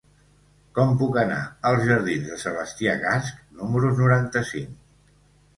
Com puc anar als jardins de Sebastià Gasch número noranta-cinc?